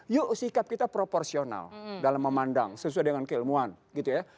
yuk sikap kita proporsional dalam memandang sesuai dengan keilmuan gitu ya